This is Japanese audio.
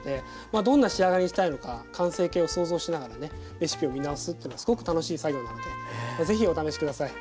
まあどんな仕上がりにしたいのか完成形を想像しながらねレシピを見直すというのはすごく楽しい作業なのでぜひお試し下さい。